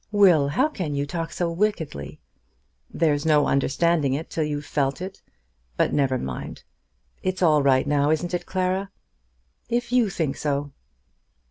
"Will, how can you talk so wickedly?" "There's no understanding it till you have felt it. But never mind. It's all right now; isn't it, Clara?" "If you think so."